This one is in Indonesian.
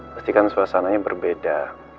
pastikan suasananya berbeda